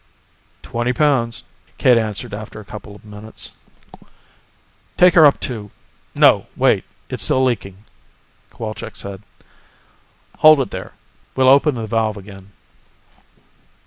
"Twenty pounds," Cade answered after a couple of minutes. "Take her up to ... no, wait, it's still leaking," Cowalczk said. "Hold it there, we'll open the valve again."